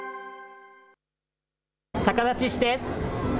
逆立ちして。